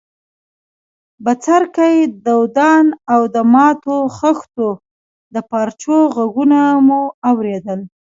بڅرکي، دودان او د ماتو خښتو د پارچو ږغونه مو اورېدل.